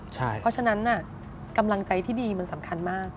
เพราะฉะนั้นกำลังใจที่ดีมันสำคัญมาก